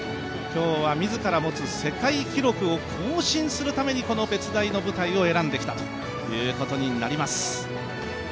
今日は自ら持つ世界記録を更新するためにこの別大の舞台を選んできたということになります。